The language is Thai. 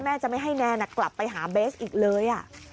จะไม่ให้แนนกลับไปหาเบสอีกเลย